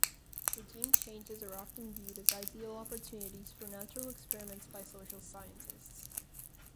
Regime changes are often viewed as ideal opportunities for natural experiments by social scientists.